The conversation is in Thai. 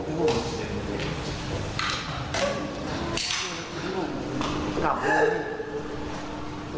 กลับเลย